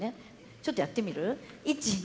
ちょっとやってみる？